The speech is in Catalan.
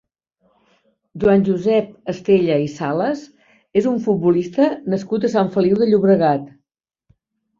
Joan Josep Estella i Salas és un futbolista nascut a Sant Feliu de Llobregat.